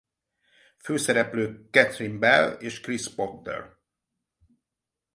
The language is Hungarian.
Főszereplők Catherine Bell és Chris Potter.